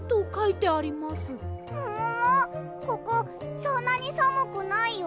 ここそんなにさむくないよ？